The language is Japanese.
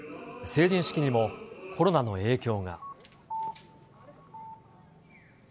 成人式にもコロナの影響が。